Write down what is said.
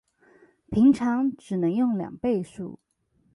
平常只能用兩倍速